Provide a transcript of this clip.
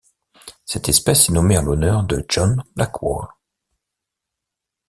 Cette espèce est nommée en l'honneur de John Blackwall.